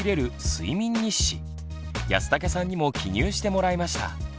睡眠日誌安武さんにも記入してもらいました。